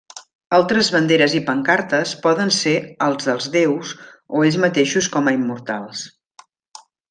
Altres banderes i pancartes poden ser els dels déus o ells mateixos com a immortals.